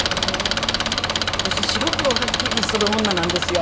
私白黒をはっきりする女なんですよ。